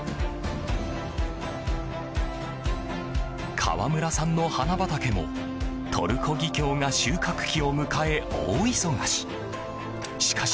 川村さんの花畑もトルコギキョウが収穫期を迎え、大忙し。